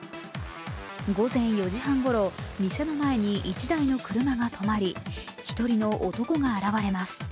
午前４時半ごろ、店の前に１台の車が止まり、一人の男が現れます。